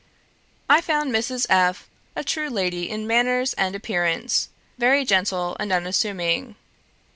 I found Mrs. F. a true lady in manners and appearance, very gentle and unassuming.